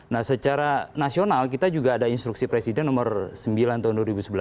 nah secara nasional kita juga ada instruksi presiden nomor sembilan tahun dua ribu sebelas tujuh belas dua ribu sebelas